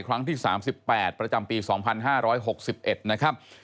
ครั้งที่๓๘ประจำปี๒๕๖๑นะครับ